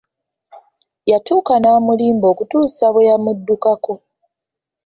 Yatuuka n'amulimba okutuusa lwe yamuddukako.